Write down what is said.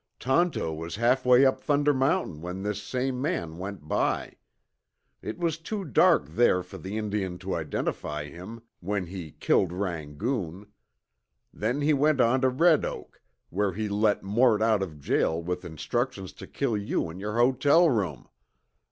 Tonto was halfway up Thunder Mountain when this same man went by. It was too dark there for the Indian to identify him when he killed Rangoon. Then he went on to Red Oak, where he let Mort out of jail with instructions to kill you in your hotel room.